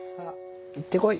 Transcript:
いってこい！